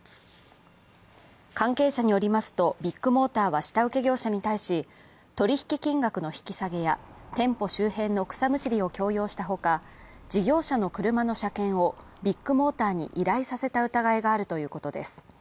関係者によりますと、ビッグモーターは下請け業者に対し、取り引き金額の引き下げや店舗周辺の草むしりを強要したほか事業者の車の車検をビッグモーターに依頼させた疑いがあるということです。